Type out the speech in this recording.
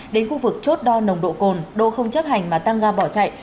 đến khu vực chốt đo nồng độ cồn đô không chấp hành mà tăng ga bỏ chạy